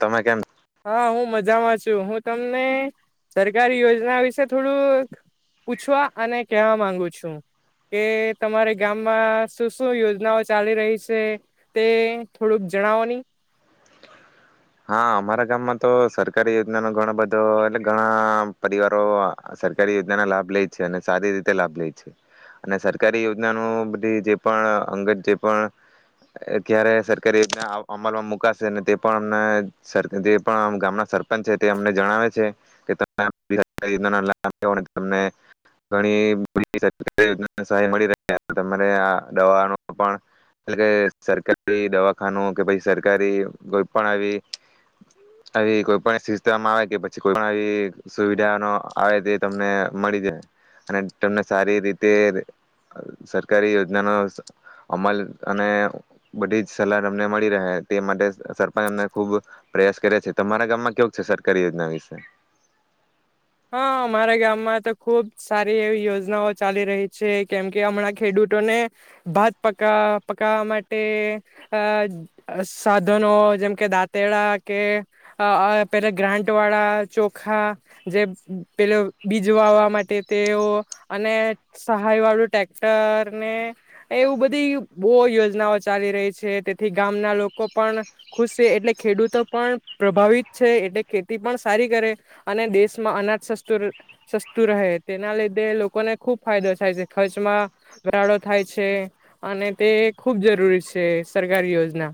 તમે કેમ હા હું મજામાં છું હું તમને સરકારી યોજના વિશે થોડું પૂછવા અને કેવા માંગુ છું કે તમારા ગામમાં શું શું યોજનાઓ ચાલી રહી છે તે થોડુંક જણાવો નની હા અમારા ગામમાં તો સરકારી યોજના ન ઘણો બધો એટલે ઘણા પરિવારો સરકારી યોજના ના લાભ લે છે અને સારી રીતે લાભ લે છે અને સરકારી યોજના ન બધી જે પણ અંગત જે પણ અ્યારે સરકારી યોજના અમલમાં મુકાશેને તે પણ જે પણ ગામના સરપંચ છે તે અમને જણાવે છે કે તમે તમણીસહાય મળી આ દવા એટ કે સરકારી દવાખાનું કે પછ સરકારી પણ આવી આવી કોઈ પણ સિસ્ટમ આવે કે પછી કોઈ પણ આવી સુવિધા ન આવે તે તમને મળી જાય અને તમને સારી રીતે સરકારી યોજના ન અમલ અને બધી જ સલાહ તમને મળી રહે તે માટે મ ખુબ પ્રયાસ કરે છે તમારા ગામમાં કેવું છે સરકારી યોજના વિશે હા અમારા ગામમાં તો ખુબ સારી એવી યોજનાઓ ચાલી રહી છે કેમ કે હમણાં ખેડૂતોને ભાત પક પકવા માટે સાધનો જેમ કે દાંતડા કે પેલા ગ્રાન્ટ વાળા ચોખા જે પેલો બીજ વાવવા માટે તેઓ અને સહાય વાળું ટ્રેક્ટર ને એવું બધી બહ યોજનાઓ ચાલી રહી છે તેથી ગામના લોકો પણ ખુશ છે એટલે ખેડૂતો પણ પ્રભાવિત છે એટલે ખેતી પણ સારી કરે અને દેશમાં અના સસ્તું સસ્તું રહે તેના લીધે લોકોને ખૂબ ફાયદો થાય છે ખર્ચમાં ઘરાાડો થાય છે અને તે ખૂબ જરૂરી છે સરકારી યોજના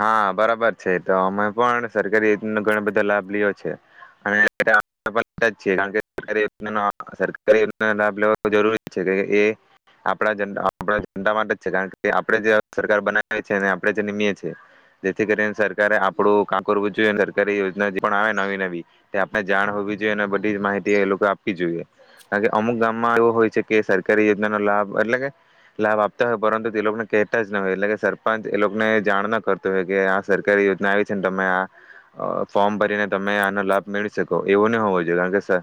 હા બરાબર છે તો અમે પણ સરકારી યોજનાનો ઘણા બધા લાભ લી છે અનેણ સર લાભ લે જરૂરી છે કે એ આપણા જ આપ જતા માટે છે કારણ કે આપણે જે સરકાર બનાવી છે આપણે જે નિમીએ છીએ જેથી કરીને સરકારે આપડું ક કરવું જોઈએ સરકારી યોજના જે પણ આવે નવી નવી તે આપણે જાણ હોવી જોઈએ અને બધી જ માહિતી એ લોકો આપવી જોઈએ કારણ કે અમુક ગામમાં એવો હોય છે કે સરકારી યોજના ન લાભ એટલે કે લાભ આપતા હોય પરંતુ તે લોકોને કહેતા જ ન હોય એટલે કે સરપંચ એ લોકોને જાણ ના કરતા આ સરકારી યોજના આવી છે ને તમે આ ફોર્મ ભરીને તમે આનો લાભ મેળવી શકો એવું નહી હોવો જોઈએ કારણ કે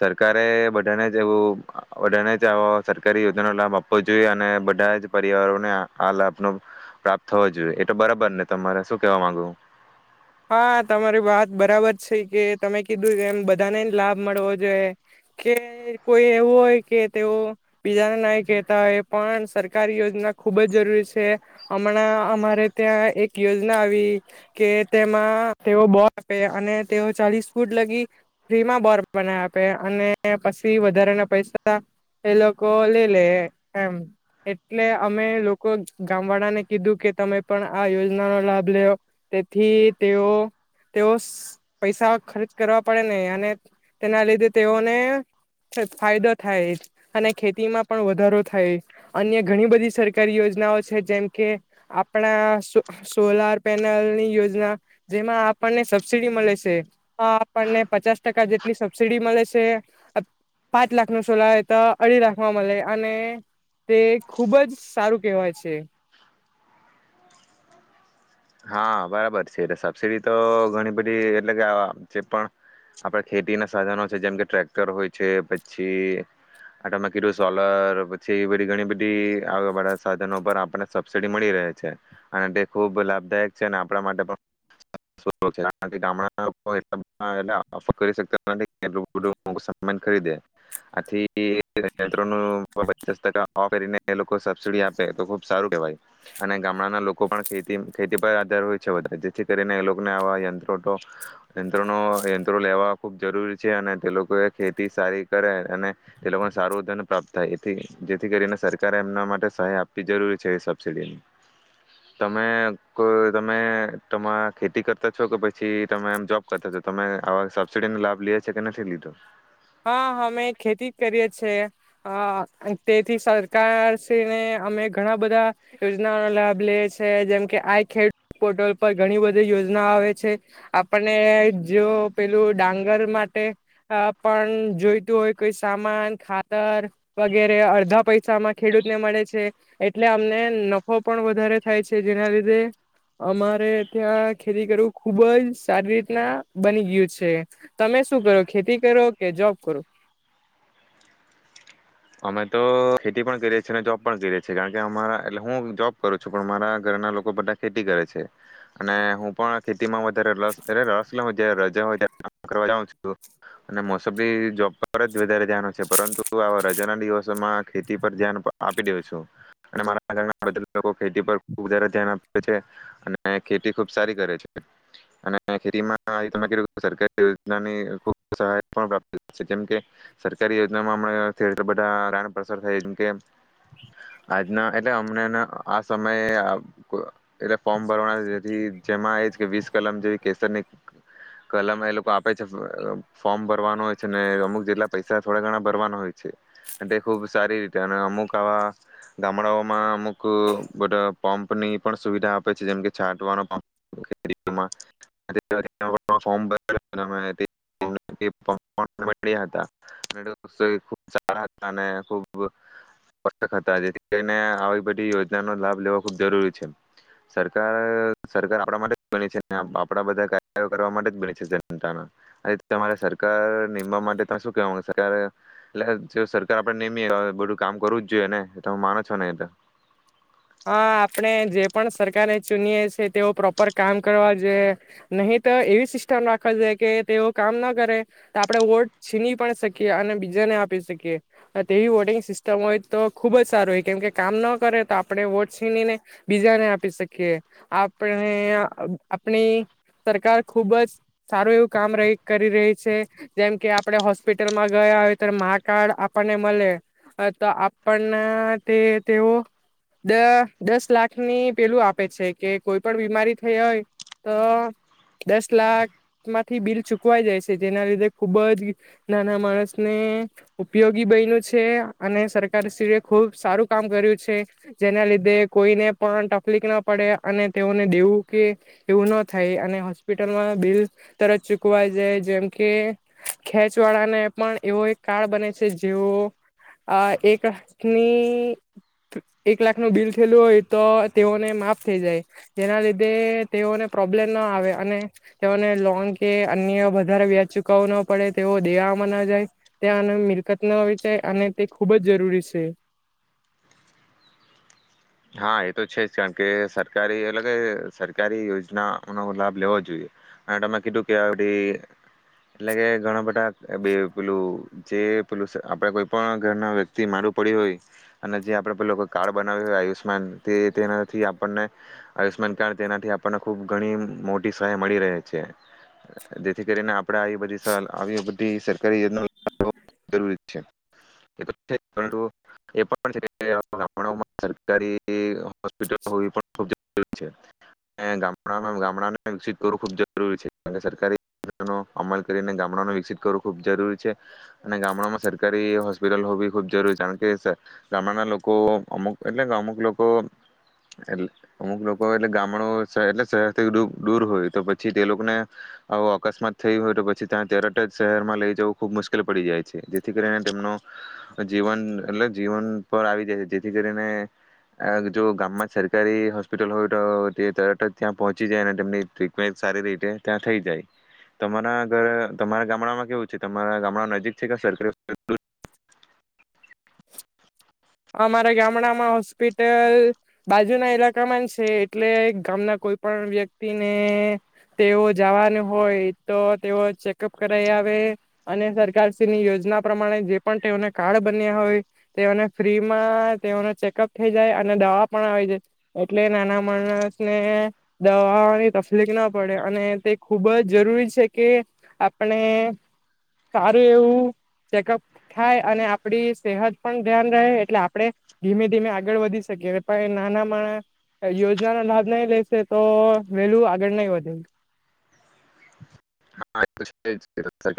સરકારે બધાને જ એવું બધાને જ સરકારી યોજના ન લાભ આપવો જોઈએ અને બધા જ પરિવારોને આ લાભ ન પ્રાપ્ત થવો જોઈએ એટ બરાબર ખબર ને તમારે શું કેવા માંગુ હા તમારી વાત બરાબર છે કે તમે કીધું એમ બધાને લાભ મળવો જોઈએ કે કોઈ એવું હોય કે તેઓ બીજાને ના કેહેતા હોય પણ સરકાર યોજના ખુબ જ જરૂરી છે હમણાં અમારે ત્યાં એક યોજના આવી કે તેમાં તેઓ બોર આપે અને તેઓ ચાલીસ ફૂટ લગી ફ્રીમાં બોરના આપે અને પછી વધારેાના પૈસા એ લોકો લે લે એમ એટલે અમે લોકો ગામ વાળાને કીધું કે તમે પણ આ યોજના નો લાભ લેવ થી તેઓ તેઓ પૈસા ખર્ચ કરવા પડે ને અને તેના લીધે તેઓને ફાયદો થાય અને ખેતીમાં પણ વધારો થાય અન્ય ઘણી બધી સરકારી યોજનાઓ છે જેમ કે આપણા સોલાર પેનલની યોજના જેમાં આપણને સબસિડી મળે છે આપણને પચાસ ટકા જેટલી સબસીડી મળે છે પાંચ લાખ ન સોલા તો અઢી લાખમાં મળે અને તે ખૂબ જ સારું કહેવાય છે હા બરાબર છે એટલે સબસીડી તો ઘણી બધી એટલે કે જે પણ આપડા ખેતી ના સાધનો છે જેમ કે ટ્રેક્ટર હોય છે પછી આટમાંકીટું સોલર પછી એ બધી ઘણી બધીળા સાધનો પર આપણને સબસીડી મળી રહે છે અને તે ખૂબ લાભ નથીટ ખે આથી ટ સબડી આપે તો ખબ સારું કવાય અને ગામડાના લોકો પણ ખેતી ખેતી પર આધાર હોય છે વધારે જેથી કરીને એ લોકોને આવા યંત્રો યંત્રોનો યંત્રો લેવા ખૂબ જરૂરી છે અને તે લોકો એ ખેતી સારી કરે અને તે લોકોને સારું ધન પ્રાપ્ત થાય એથી જેથી કરીને સરકારે એમના માટે સહાય આપવી જરૂરી છે એ સબસીિડીની તમે કો તમે તમારા ખેતી કરતા છો કે પછી તમે જોબ કરતા છો તમે આવા સબસડી લાભ લી છે કે નથી લીધો હા અમે ખેતી કરીએ છેએ તેથી સરકારશ્રીને અમે ઘણા બધા યોજનાઓનો લાભ લઈએ છેએ જેમકે આઈ ખેડ પોર્ટલ પર ઘણી બધી યોજના આવે છે આપણને જો પેલું ડાંગર માટે પણ જોઈતું હોય કોઈ સામાન ખાતર વગેરે અડધા પૈસામાં ખેડૂતને મળે છે એટલે અમને નફો પણ વધારે થાય છે જેના લીધે અમારે ત્યાં ખેતી કરવું ખુબ જ સારી રીતના બની ગયું છે તમે શું કરો ખેતી કરો કે જોબ કરો અમે તો ખેતી પણ કરીએ છીએ અને જોબ પણ કરીએ છીએ કારણ કે અમારા એટલે હું જોબ કરું છું પણ મારા ઘરના લોકો બધા ખેતી કરે છે અને હું પણ તેમાં વધારે રસ લે જ્યારે રજા હોય ત અને મોસબી જોબ પર જ વધારે ધ્યાન છે પરંતુ આવાા. બજારના દિવસોમાં ખેતી પર ધ્યાન આપી દ્યો છું અને મારા આગધ લોકો ખેતી પર ખૂબ જ ધ્યાન આપે છે અને ખેતી ખૂબ સારી કરે છે અને ખેતીમાં તમે સરકારી યોજનાની ખૂબ સહાય પણ પ્રાપ્ત છે જેમ કે સરકારી યોજનામાં હણા. બધા રાન પ્રસાર થાયમ કે આજના એટલે અમને આ સમયે એટ ફોર્મ ભરવાના જેથી જેમાં એ કે વીસ કલમ જેવી કેસરની કલમ એ લોકો આપે છે ફોર્મ ભરવાનો હોય છે ને અમુક જેટલા પૈસા થોડા ઘણા ભરવાના હોય છે. તે ખુબ સારી રીતે અને અમુક આવા ગામડાઓમાં અમુક બધા પંપ ની પણ સુવિધા આપે છે જેમકે છાટવા. સા ખુબક હતા જેથી કરીને આવી બધી યોજનાનો લાભ લેવો ખૂબ જરૂરી છે સરકાર સરકાર આપણા માટે બની છે આપણા બધા કાર કરવા માટે જ બને છે જનતાના તમારે સરકાર નિમવા માટે શું કેવા સરકાર. એટલે જો સરકાર આપડે મીએ બધું કામ કરવું જ જોઈએ ને હું માનો છો ને એલે. હા આપણે જે પણ સરકારને ચૂનીએ છી તેઓ પ્રોપર કામ કરવા જોઈએ નહી તો એવી સિસ્ટમ રાખવા જોઈએ કે તેઓ કામ ના કરે તો આપણે વોટ છીની પણ શકીએ અને બીજાને આપી શકીએ તેવી વોટિંગ સિસ્ટમ હોય તો ખુબ જ સારું હોય કેમકે કામ ન કરે તો આપ. આપણે વોટ છીનીને બીજાને આપી શકીએ આપણે આપણી સરકાર ખુબ જ સારું એવું કામ રહી કરી રહી છે જેમ કે આપણે હોસ્પિટલમાં ગયા હોય તો મા કાર્ડ આપણને મળે તો આપણને તે તેઓ. દ દસ લાખની પેલું આપે છે કે કોઈ પણ બીમારી થઈ હોય તો દસ લાખ માંથી બિલ ચૂકવાઈ જાય છે જેના લીધે ખુબ જ નાના માણસને ઉપયોગી બ્યું છે અને સરકારશ્રીએ ખૂબ સારું કામ કર્યું છે. જેના લીધે કોઈને પણ તકલીફ ના પડે અને તેઓને દેવું કે એવું ના થાય અને હોસ્પિટલમાં બિલ તરત ચૂકવાઈ જાય જેમ કે ખેચ વાળાને પણ એવો એક કાર્ડ બને છે જેઓ આ એકની. એક લાખનું બિલ થયેલું હોય તો તેઓને માફ થઈ જાય જેના લીધે તેઓને પ્રોબ્લેમ ના આવે અને તેઓને લોન કે અન્ય વધારે વ્યાજ ચુકવું ન પડે તેઓ દેવામાં ન જાય ત્યાં મિલકત ન જાય અને તે ખૂબ જ જરૂરી છે. હા એ તો છે જ કારણ કે સરકારી એટલે કે સરકારી યોજના નો લાભ લેવો જોઈએ અનેમાં કીધું કેડી એટલે કે ઘણા બધા. એ બે પેલું. જે પેલું આપડે કોઈ પણ ઘર ના વ્યક્તિ મારું પડી હોય અને જે આપડે પેલ કો કાર્ડ બનાવ્યું હોય આયુષમા. તેનાથી આપણને આયુષમાન કાર્ડ તેનાથી આપણને ખુબ ઘણી મોટી સહાય મળી રહે છે જેથી કરીને આપ આવી બ સરકારી. સરકારી હોસ્પિટલો હોવી પણ ખૂબ જરૂરી છે અને ગામડામાં ગામડાને વિકસિત કરવું ખૂબ જરૂરી છે કારણ સરકારીનો અમલ કરીને ગામડાને વિકસિત કરવું ખૂબ જરૂરી છે અને ગામડામાં સરકારી હોસ્પિટલ હોવી ખૂબ જરૂરી છે કારણ કે ગામડાના લોકો અમુક. એટલે કે અમુક લોકો એ અમુક લોકો એટલે ગામડો એટલે શહેરથી દૂર હોય તો પછી તે લોકોને આવ અકસ્માત થઈ હોય તો પછી ત્યાં તરટ જ શહેરમાં લઈ જવું ખુબ મુશ્કેલ પડી જાય છે જેથી કરીને તેમનો જીવન એટલે જીવન પર આવી જાય છે જેથી કરીને. જો ગામમાં સરકારી હોસ્પિટલ હોય તો તરત જ ત્યાં પહોંચી જાય અને તેમની ટ્રીટમેન્ટ સારી રીતે ત્યાં થઈ જાય તમારા ઘર તમારા ગામડામાં કેવું છે તમારા ગામડા નજીક છે કે સરકાર. હા મારા ગામડામાં હશે. હોસ્પિટલ બાજુના લાકામાં છે. એટલે ગામના કોઈ પણ વ્યક્તિને તેઓ જવાનું હોય તો, તેઓ ચેકઅપ કરાઈ આવે અને સરકાર શ્રીની યોજના પ્રમાણે જે પણ, તેઓને કાર્ડ બન્યા હોય તેઓને. ફ્રીમાં તેઓનો ચેકઅપ થઈ જાય, અને દવા પણ આવી જાય એટલે નાના માણસને દવાની તકલીફ ના પડે અને તે ખૂબ જ જરૂરી છે કે આપણે સારું એવું ચેકઅપ થાય અને આપણી સેહત પણ ધ્યાન. એટલે આપણે ધીમે ધીમે આગળ વધી શકીએ પણ, નાના મા યોજના ન લાભ નહી લેશે તો વેલું આગળ નહી વધે. સર સર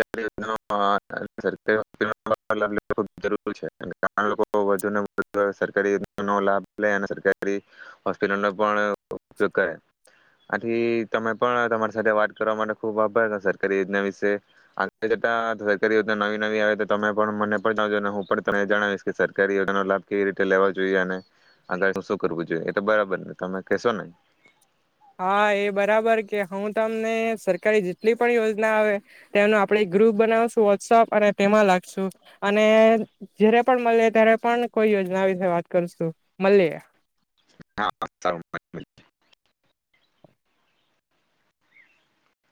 લ જરૂ છે, જે લોકો વધુને વધુ સરકારી નો લાભ લે અને સરકારી હોસ્પિટલનો પણ ઉપયોગ કરે આથી તમે પણ તમારી સાથે વાત કરવા માટે ખૂબ આભાર હતા સર. સરકારી યોજના વિશે આગળ જતા સરકારી યોજના નવી નવી આવે તો તમે પણ મને પણ જાણાવજો અને હું પણ તને જણાવીશ કે સરકારી યોજના નો લાભ કેવી રીતે લેવાો જોઈએ અને આગળું શું કરવું જોઈએ એ તો બરાબર ને તમે કહેશો ને. હા એ બરાબર કે હું, તમને સરકારી જેટલી પણ યોજના આવે તેમનો આપણે ગ્રુપ બનાવશું. વોટ્સઅપ અને તેમાં લાગશું અને જારે પણ મળી ત્યારે, પણ કોઈ યોજના વિશે વાત કરશું મળી. હા.